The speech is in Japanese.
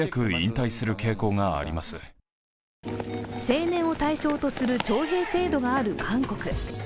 青年を対象とする徴兵制度がある韓国。